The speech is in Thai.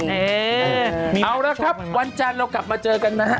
เอาละครับวันจันทร์เรากลับมาเจอกันนะฮะ